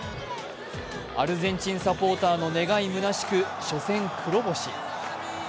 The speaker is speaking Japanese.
アルゼンチンサポーターの願いむなしく初戦黒星。